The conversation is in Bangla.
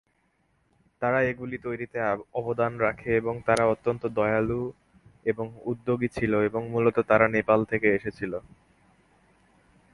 তারা এগুলি তৈরিতে অবদান রাখে এবং তারা অত্যন্ত দয়ালু এবং উদ্যোগী ছিল এবং মূলত তারা নেপাল থেকে এসেছিল।